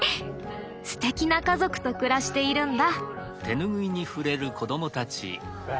ステキな家族と暮らしているんだ。